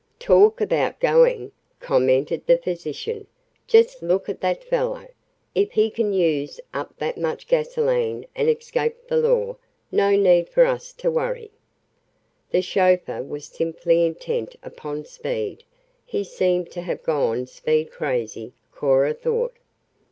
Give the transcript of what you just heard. "Talk about going!" commented the physician; "just look at that fellow. If he can use up that much gasoline and escape the law, no need for us to worry." The chauffeur was simply intent upon speed he seemed to have gone speed crazy, Cora thought.